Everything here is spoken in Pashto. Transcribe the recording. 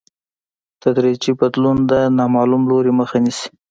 تدریجي بدلون د نامعلوم لوري مخه نیسي.